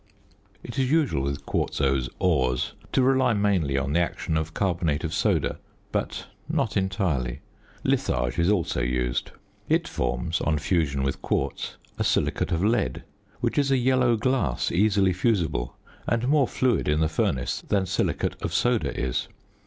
It is usual with quartzose ores to rely mainly on the action of carbonate of soda, but not entirely. Litharge is also used; it forms, on fusion with quartz, a silicate of lead, which is a yellow glass, easily fusible, and more fluid in the furnace than silicate of soda is.